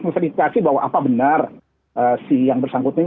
mesej dikasih bahwa apa benar si yang bersangkut ini